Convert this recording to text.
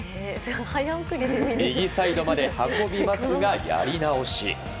右サイドまで運びますがやり直し。